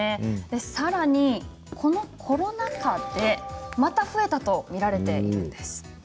さらに、このコロナ禍でまた増えたと見られているんです。